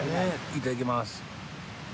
いただきます。